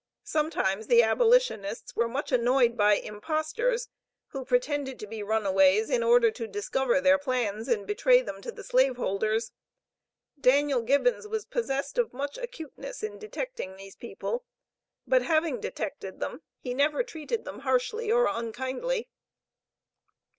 Sometimes the abolitionists were much annoyed by impostors, who pretended to be runaways, in order to discover their plans, and betray them to the slave holders. Daniel Gibbons was possessed of much acuteness in detecting these people, but having detected them, he never treated them harshly or unkindly.